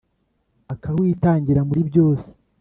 Aka witangira muri byose.